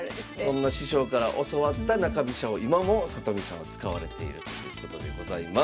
そんな師匠から教わった中飛車を今も里見さんは使われているということでございます。